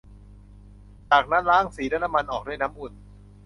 จากนั้นล้างสีและน้ำมันออกด้วยน้ำอุ่น